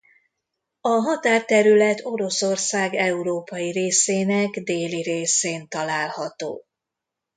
A határterület Oroszország európai részének déli részén található.